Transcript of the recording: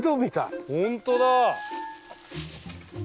ホントだ！